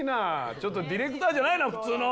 ちょっとディレクターじゃないな普通の。